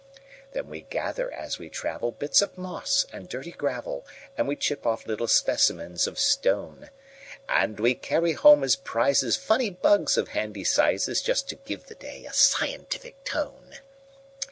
Then we gather as we travel, Bits of moss and dirty gravel, And we chip off little specimens of stone; And we carry home as prizesFunny bugs, of handy sizes, Just to give the day a scientific tone.